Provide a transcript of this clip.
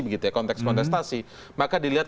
begitu ya konteks kontestasi maka dilihat